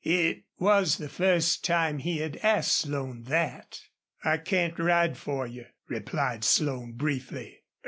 It was the first time he had asked Slone that. "I can't ride for you," replied Slone, briefly.